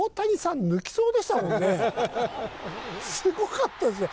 すごかったですよ。